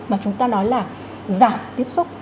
mà chúng ta nói là giảm tiếp xúc